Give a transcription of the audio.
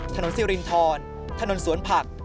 ถนนสิรินทรถนนสวนผัก